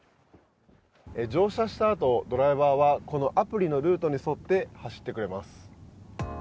乗車したあと、ドライバーはこのアプリのルートに沿って走ってくれます。